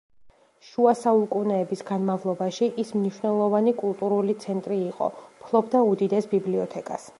შუა საუკუნეების განმავლობაში, ის მნიშვნელოვანი კულტურული ცენტრი იყო, ფლობდა უდიდეს ბიბლიოთეკას.